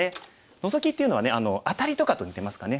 ノゾキっていうのはねアタリとかと似てますかね。